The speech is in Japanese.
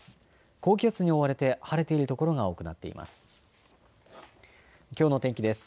高気圧に覆われて晴れている所が多くなっています。